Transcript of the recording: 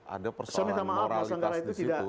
ada persoalan moralitas disitu